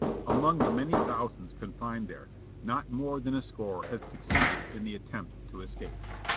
Among the many thousands confined there, not more than a score had succeeded in the attempt to escape.